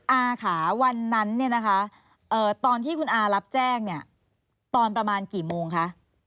อาค่ะวันนั้นเนี่ยนะคะตอนที่คุณอารับแจ้งเนี่ยตอนประมาณกี่โมงคะ